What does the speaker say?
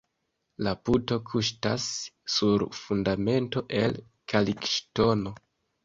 La puto kuŝtas sur fundamento el kalkŝtono.